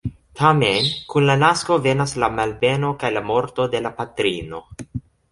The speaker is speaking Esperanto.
Tamen kun la nasko venas la malbeno kaj la morto de la patrino.